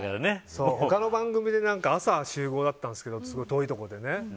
他の番組で朝集合だったんですけど遠いところでね。